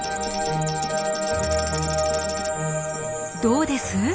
どうです？